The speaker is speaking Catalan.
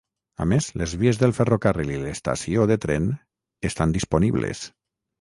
A més, les vies del ferrocarril i l'estació de tren estan disponibles.